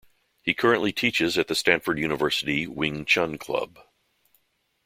He currently teaches at the Stanford University Wing Chun Club.